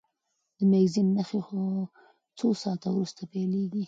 د مېګرین نښې څو ساعته وروسته پیلېږي.